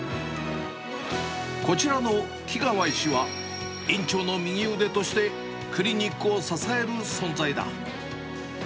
こちらの木川医師は、院長の右腕として、クリニックを支える存在だ。